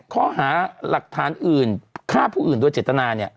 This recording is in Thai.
ข้อหาหลักฐานอื่นฆ่าผู้อื่นโดยเจตนา